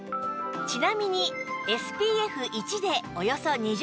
ちなみに ＳＰＦ１ でおよそ２０分